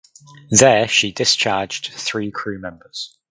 There she discharged three crew members.